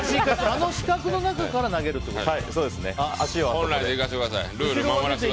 あの四角の中から投げるってことね。